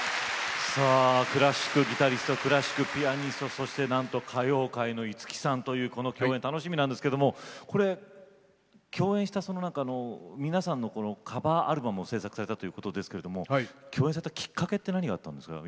さあクラシックギタリストクラシックピアニストそしてなんと歌謡界の五木さんというこの共演楽しみなんですけどもこれ共演した皆さんのカバーアルバムを制作されたということですけれども共演されたきっかけって何があったんですか？